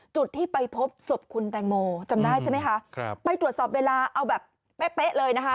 จุดที่ไปพบศพคุณแตงโมจำได้ใช่ไหมคะครับไปตรวจสอบเวลาเอาแบบเป๊ะเป๊ะเลยนะคะ